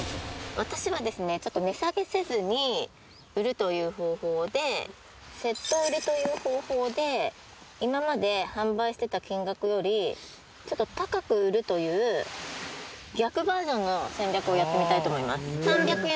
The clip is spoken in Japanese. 私はですね、ちょっと値下げせずに売るという方法で、セット売りという方法で、今まで販売してた金額より、ちょっと高く売るという、逆バージョンの戦略をやってみたいと思います。